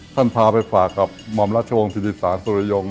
ท่านพาไปฝากกับหมอมรัชวงศ์ธิษฐานสุริยงษ์